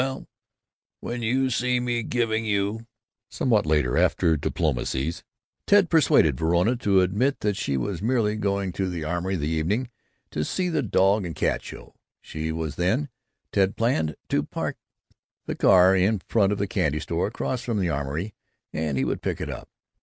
Well, when you see me giving you " Somewhat later, after diplomacies, Ted persuaded Verona to admit that she was merely going to the Armory, that evening, to see the dog and cat show. She was then, Ted planned, to park the car in front of the candy store across from the Armory and he would pick it up.